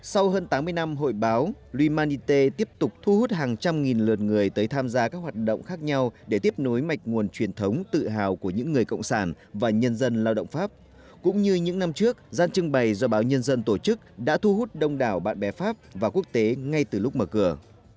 sau hơn tám mươi năm hội báo luy man y tê tiếp tục thu hút hàng trăm nghìn lượt người tới tham gia các hoạt động khác nhau để tiếp nối mạch nguồn truyền thống tự hào của những người cộng sản và nhân dân lao động pháp cũng như những năm trước gian trưng bày do báo nhân dân tổ chức đã thu hút đông đảo bạn bè pháp và quốc tế ngay từ lúc mở cửa